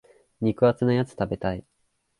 肉厚なやつ食べたい。